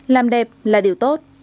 làm đẹp là điều tốt